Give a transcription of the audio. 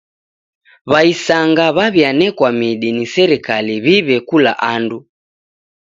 W'aisanga w'aw'ianekwa midi ni serikali w'iw'e kula andu.